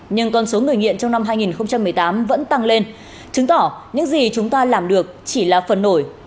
nhưng con số người nghiện trong năm hai nghìn một mươi tám vẫn tăng lên chứng tỏ những gì chúng ta làm được chỉ là phần nổi